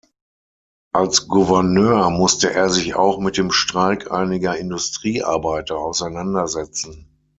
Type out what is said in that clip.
Als Gouverneur musste er sich auch mit dem Streik einiger Industriearbeiter auseinandersetzen.